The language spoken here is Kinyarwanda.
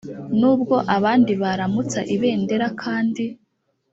nubwo abandi baramutsa ibendera kandi